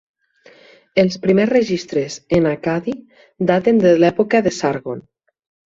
Els primers registres en accadi daten de l'època de Sargon.